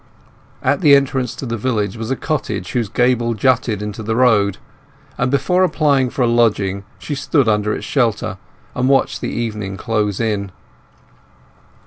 At the entrance to the village was a cottage whose gable jutted into the road, and before applying for a lodging she stood under its shelter, and watched the evening close in.